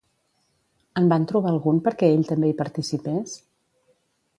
En van trobar algun perquè ell també hi participés?